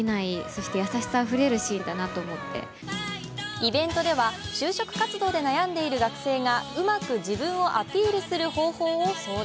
イベントでは就職活動で悩んでいる学生がうまく自分をアピールする方法を相談。